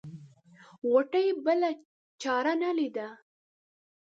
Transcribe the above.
غوټۍ بله چاره نه ليده.